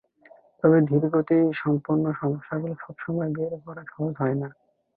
তবে ধীর গতি সম্পর্কিত সমস্যাগুলো সব সময় বের করা সহজ হয় না।